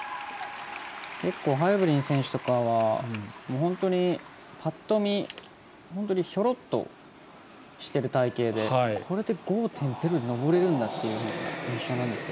結構、ハイブリン選手とかは本当に、パッと見ひょろっとしている体形でこれで５．０で登れるんだというふうな印象なんですが。